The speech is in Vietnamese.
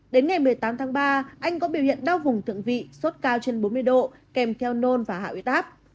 đến ngày một mươi tám tháng ba anh có biểu hiện đau vùng thượng vị sốt cao trên bốn mươi độ kèm theo nôn và hạ huyết áp